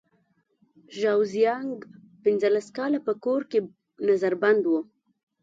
ژاو زیانګ پنځلس کاله په کور کې نظر بند و.